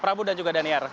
prabu dan juga daniar